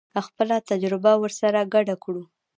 خپله تجربه ورسره ګډه کړو.